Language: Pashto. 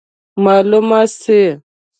معلومه سي.